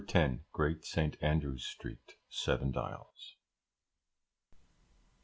10, Great St. Andrew Street, Seven Dials.